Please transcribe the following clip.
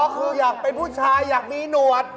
คืออยากเป็นผู้ชายอยากมีหนวด